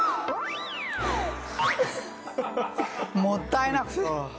もったいなくて。